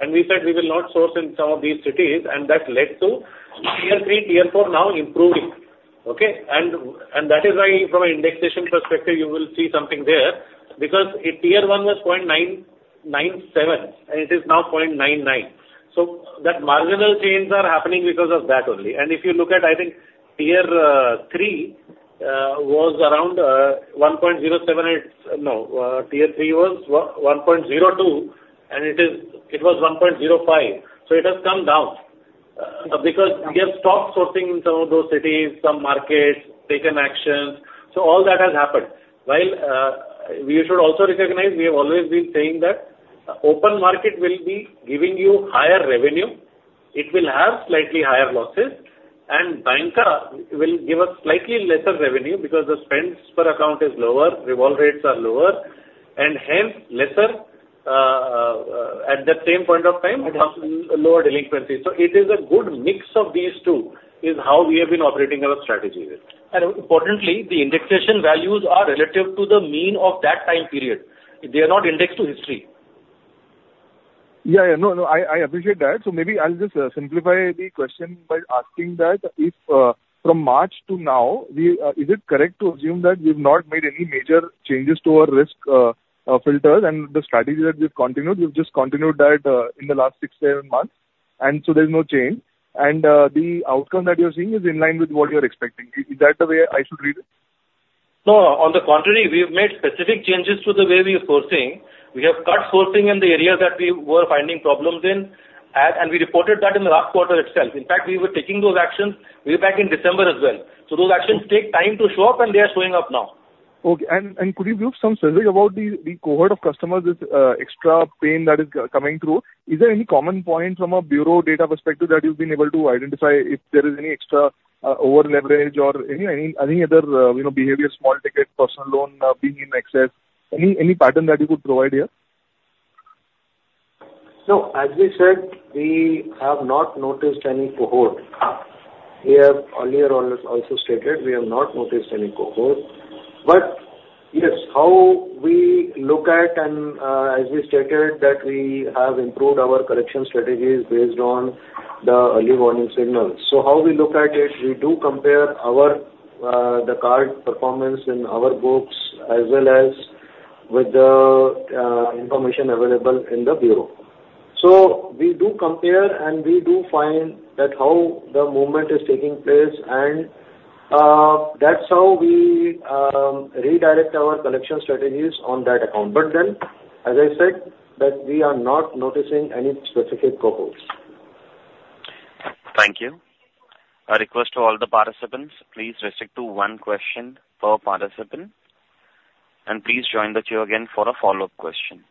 And we said we will not source in some of these cities, and that led to tier three, tier four now improving. Okay? And that is why from an indexation perspective, you will see something there, because if tier one was 0.997, and it is now 0.99. So that marginal change are happening because of that only. And if you look at, I think, tier three was around 1.078. No, tier three was one point zero two, and it was 1.05. So it has come down, because we have stopped sourcing in some of those cities, some markets, taken actions. So all that has happened. While we should also recognize, we have always been saying that open market will be giving you higher revenue. It will have slightly higher losses, and Banca will give us slightly lesser revenue because the spends per account is lower, revolve rates are lower, and hence, lesser at that same point of time, lower delinquency. So it is a good mix of these two, is how we have been operating our strategy. Importantly, the indexation values are relative to the mean of that time period. They are not indexed to history. Yeah, yeah. No, no, I, I appreciate that. So maybe I'll just simplify the question by asking that: If, from March to now, we, is it correct to assume that we've not made any major changes to our risk, filters and the strategy that we've continued, we've just continued that, in the last six, seven months, and so there's no change, and, the outcome that you're seeing is in line with what you're expecting? Is that the way I should read it? No, on the contrary, we have made specific changes to the way we are sourcing. We have cut sourcing in the areas that we were finding problems in, and we reported that in the last quarter itself. In fact, we were taking those actions way back in December as well. So those actions take time to show up, and they are showing up now. Okay. Could you give some synergy about the cohort of customers, this extra pain that is coming through? Is there any common point from a bureau data perspective that you've been able to identify if there is any extra over leverage or any other, you know, behavior, small ticket personal loan being in excess? Any pattern that you could provide here? No, as we said, we have not noticed any cohort. Ah. We have earlier on also stated we have not noticed any cohort. But yes, how we look at and, as we stated, that we have improved our collection strategies based on the early warning signals. So how we look at it, we do compare our, the card performance in our books, as well as with the, information available in the bureau. So we do compare, and we do find that how the movement is taking place, and, that's how we, redirect our collection strategies on that account. But then, as I said, that we are not noticing any specific cohorts. Thank you. A request to all the participants, please restrict to one question per participant, and please join the queue again for a follow-up question.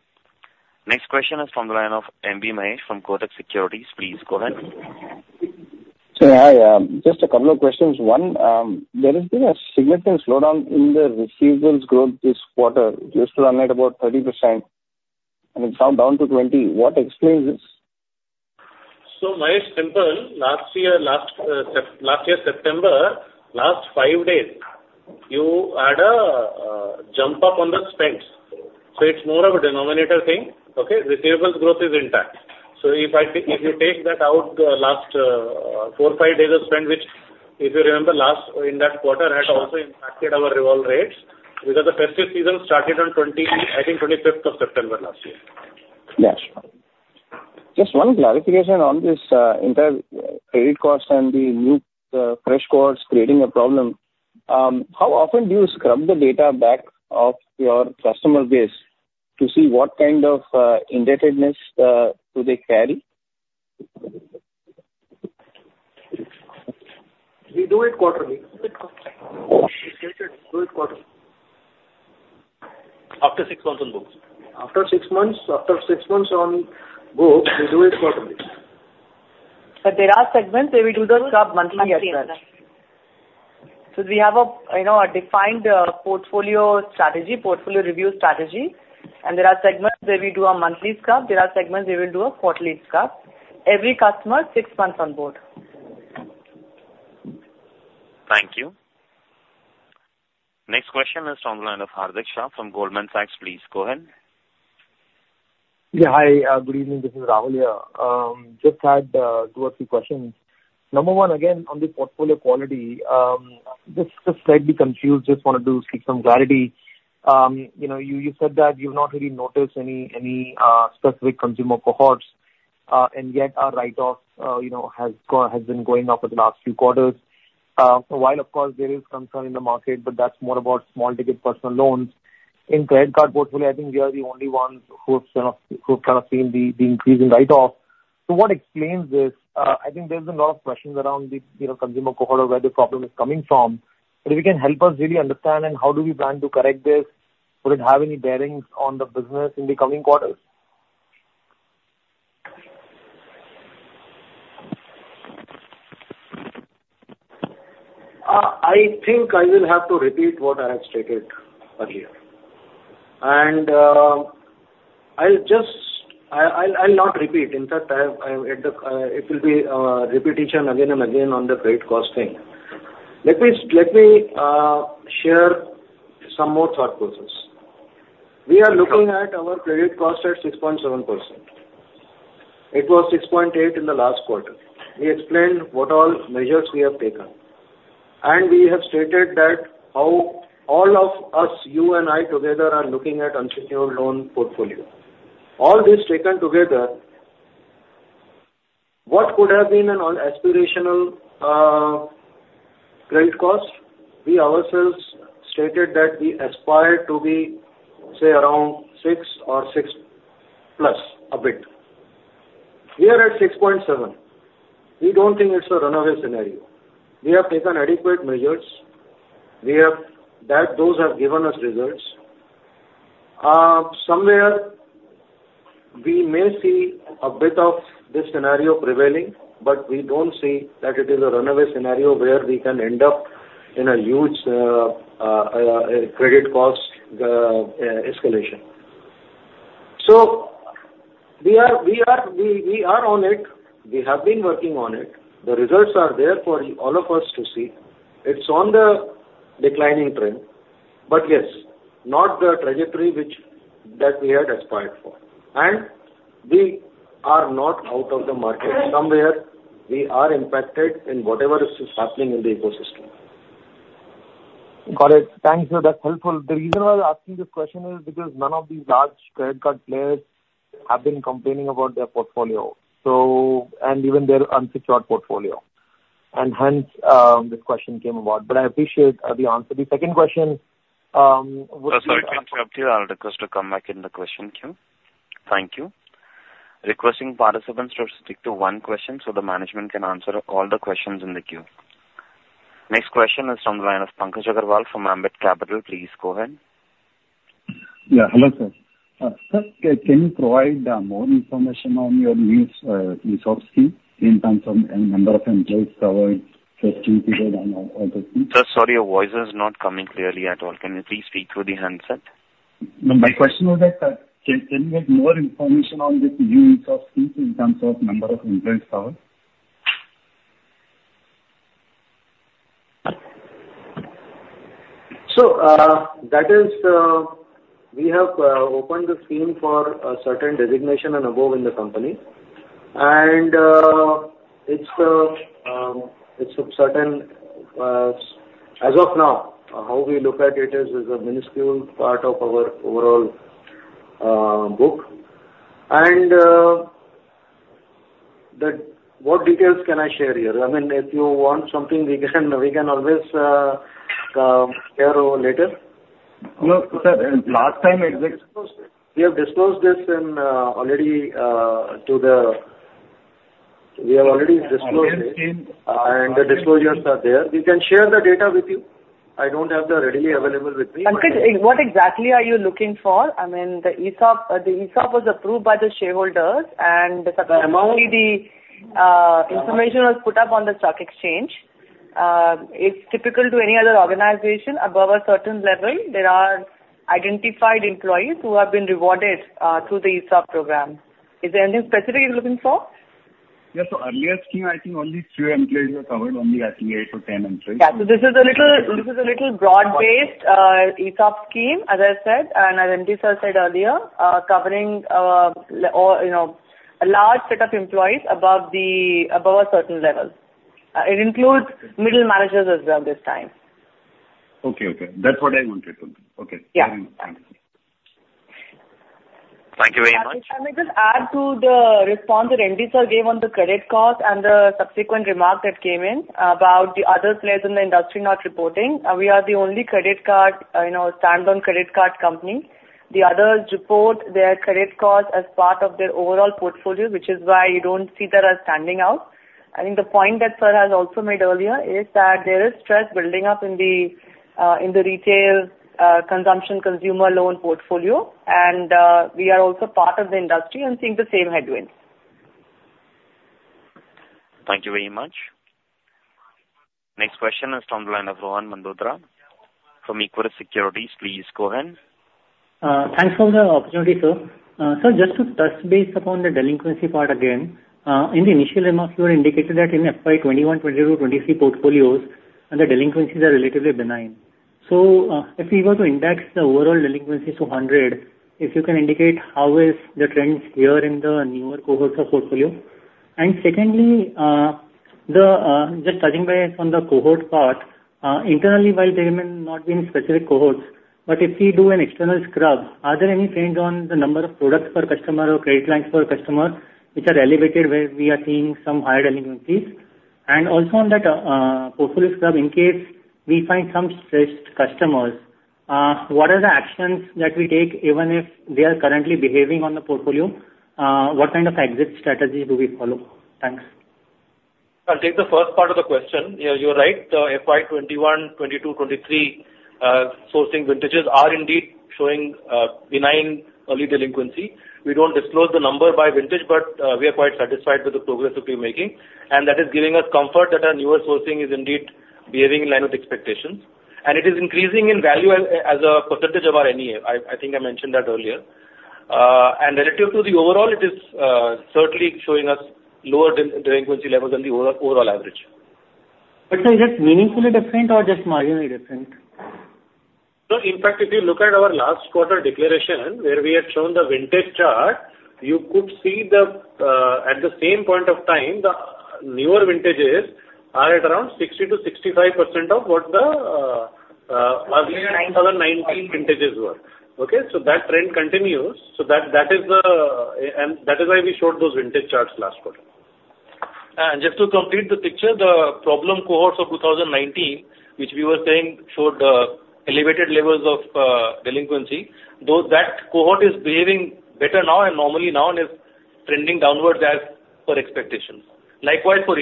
Next question is from the line of MB Mahesh from Kotak Securities. Please go ahead. Sir, hi, just a couple of questions. One, there has been a significant slowdown in the receivables growth this quarter. It used to run at about 30%, and it's come down to 20%. What explains this? So Mahesh, simple. Last year, last September, last 5 days, you had a jump up on the spends. So it's more of a denominator thing, okay? Receivables growth is intact. So if I take, if you take that out, last 4-5 days of spend, which, if you remember, last in that quarter, had also impacted our revolve rates, because the festive season started on 25, I think, 25th of September last year. Yes. Just one clarification on this entire credit cost and the new fresh costs creating a problem. How often do you scrub the data back of your customer base to see what kind of indebtedness do they carry? We do it quarterly. We do it quarterly. After six months on books? After six months, after six months on books, we do it quarterly. But there are segments where we do the scrub monthly as well. So we have a, you know, a defined portfolio strategy, portfolio review strategy, and there are segments where we do a monthly scrub, there are segments we will do a quarterly scrub. Every customer, six months on board. Thank you. Next question is from the line of Hardik Shah from Goldman Sachs. Please go ahead. Yeah, hi, good evening. This is Rahul here. Just had two or three questions. Number one, again, on the portfolio quality, just slightly confused, just wanted to seek some clarity. You know, you said that you've not really noticed any specific consumer cohorts, and yet our write-offs, you know, has been going up for the last few quarters. While of course, there is concern in the market, but that's more about small ticket personal loans. In credit card portfolio, I think we are the only ones who've kind of seen the increase in write-off. So what explains this? I think there's a lot of questions around the consumer cohort or where the problem is coming from. But if you can help us really understand and how do we plan to correct this? Would it have any bearings on the business in the coming quarters? I think I will have to repeat what I have stated earlier. I'll just not repeat. In fact, it will be repetition again and again on the credit cost thing. Let me share some more thought process. We are looking at our credit cost at 6.7%. It was 6.8% in the last quarter. We explained what all measures we have taken, and we have stated that how all of us, you and I, together, are looking at unsecured loan portfolio. All this taken together, what could have been an aspirational credit cost? We ourselves stated that we aspire to be, say, around 6 or 6+ a bit. We are at 6.7%. We don't think it's a runaway scenario. We have taken adequate measures. We have... That, those have given us results. Somewhere, we may see a bit of this scenario prevailing, but we don't see that it is a runaway scenario where we can end up in a huge credit cost escalation. So we are on it. We have been working on it. The results are there for all of us to see. It's on the declining trend, but yes, not the trajectory which we had aspired for. And we are not out of the market. Somewhere, we are impacted in whatever is happening in the ecosystem. Got it. Thank you. That's helpful. The reason why I'm asking this question is because none of these large credit card players have been complaining about their portfolio, so... and even their unsecured portfolio. And hence, this question came about, but I appreciate the answer. The second question, would- Sorry to interrupt you. I'll request to come back in the question queue. Thank you. Requesting participants to stick to one question so the management can answer all the questions in the queue. Next question is from the line of Pankaj Agarwal from Ambit Capital. Please go ahead. Yeah, hello, sir. Sir, can you provide more information on your new ESOP scheme in terms of number of employees covered, people and all those things? Sir, sorry, your voice is not coming clearly at all. Can you please speak through the handset? My question was that, can you give more information on this new ESOP scheme in terms of number of employees covered? So, that is, we have opened the scheme for a certain designation and above in the company, and it's a certain... As of now, how we look at it is a minuscule part of our overall book. And that, what details can I share here? I mean, if you want something, we can, we can always share over later. No, sir, last time it was- We have already disclosed it, and the disclosures are there. We can share the data with you. I don't have it readily available with me. Pankaj, what exactly are you looking for? I mean, the ESOP, the ESOP was approved by the shareholders, and the information was put up on the stock exchange. It's typical to any other organization. Above a certain level, there are identified employees who have been rewarded, through the ESOP program. Is there anything specific you're looking for? Yes. So earlier scheme, I think only 3 employees were covered, only I think 8 or 10 employees. Yeah. So this is a little, this is a little broad-based ESOP scheme, as I said, and as Nandini said earlier, covering, or, you know, a large set of employees above the, above a certain level. It includes middle managers as well this time. Okay, okay. That's what I wanted to know. Okay. Yeah. Thanks. Thank you very much. If I may just add to the response that Nandini gave on the credit card and the subsequent remark that came in about the other players in the industry not reporting. We are the only credit card, you know, standalone credit card company. The others report their credit cards as part of their overall portfolio, which is why you don't see that as standing out. I think the point that Sir has also made earlier is that there is stress building up in the retail consumption consumer loan portfolio, and we are also part of the industry and seeing the same headwinds. Thank you very much. Next question is from the line of Rohan Mandora from Equirus Securities. Please go ahead. Thanks for the opportunity, sir. Sir, just to touch base upon the delinquency part again, in the initial remarks, you indicated that in FY 2021, 2022, 2023 portfolios and the delinquencies are relatively benign. So, if we were to index the overall delinquencies to 100, if you can indicate how is the trends here in the newer cohorts of portfolio? And secondly, the, just touching base on the cohort part, internally, while there may not be any specific cohorts, but if we do an external scrub, are there any trends on the number of products per customer or credit lines per customer, which are elevated, where we are seeing some higher delinquencies? And also on that, portfolio scrub, in case we find some stressed customers, what are the actions that we take even if they are currently behaving on the portfolio? What kind of exit strategy do we follow? Thanks. I'll take the first part of the question. Yeah, you're right. The FY 2021, 2022, 2023 sourcing vintages are indeed showing benign early delinquency. We don't disclose the number by vintage, but we are quite satisfied with the progress that we're making, and that is giving us comfort that our newer sourcing is indeed behaving in line with expectations. And it is increasing in value as a percentage of our ENR. I think I mentioned that earlier. And relative to the overall, it is certainly showing us lower delinquency levels than the overall average. Sir, is it meaningfully different or just marginally different? No, in fact, if you look at our last quarter declaration, where we had shown the vintage chart, you could see the, at the same point of time, the newer vintages are at around 60%-65% of what the earlier 2019 vintages were. Okay? So that trend continues. So that, that is the... and that is why we showed those vintage charts last quarter. And just to complete the picture, the problem cohorts of 2019, which we were saying showed elevated levels of delinquency, though that cohort is behaving better now and normally now and is trending downwards as per expectations. Likewise, for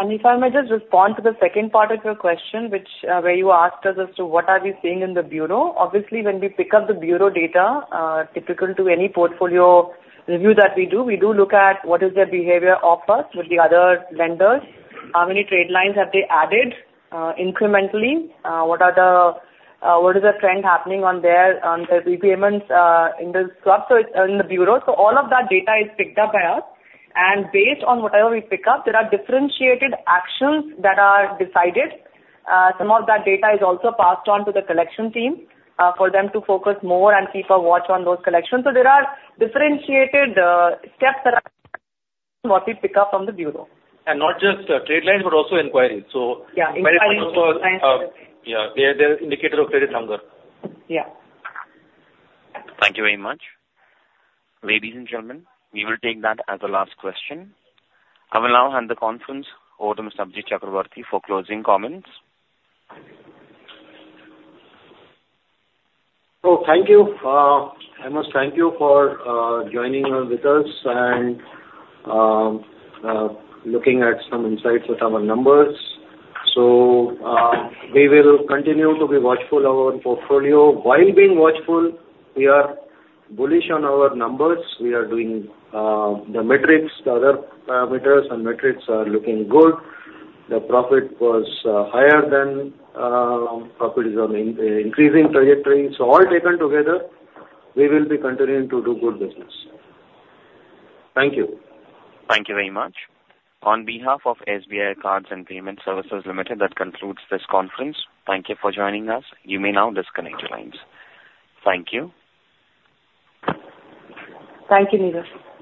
2018. If I may just respond to the second part of your question, which, where you asked us as to what are we seeing in the bureau. Obviously, when we pick up the bureau data, typical to any portfolio review that we do, we do look at what is their behavior of first with the other lenders, how many trade lines have they added, incrementally, what are the, what is the trend happening on their, on the repayments, in the scrub, so it's in the bureau. So all of that data is picked up by us, and based on whatever we pick up, there are differentiated actions that are decided. Some of that data is also passed on to the collection team, for them to focus more and keep a watch on those collections. There are differentiated steps that are what we pick up from the bureau. And not just trade lines, but also inquiries. So- Yeah. Very important, yeah, they're, they're indicator of credit hunger. Yeah. Thank you very much. Ladies and gentlemen, we will take that as the last question. I will now hand the conference over to Mr. Abhijit Chakravorty for closing comments. Thank you. I must thank you for joining us with us and looking at some insights with our numbers. So we will continue to be watchful of our portfolio. While being watchful, we are bullish on our numbers. We are doing the metrics, the other parameters and metrics are looking good. The profit was higher than profit is on an increasing trajectory. So all taken together, we will be continuing to do good business. Thank you. Thank you very much. On behalf of SBI Cards and Payment Services Limited, that concludes this conference. Thank you for joining us. You may now disconnect your lines. Thank you. Thank you, Neerav. Thank you.